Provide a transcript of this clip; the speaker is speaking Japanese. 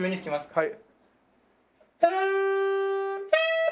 はい。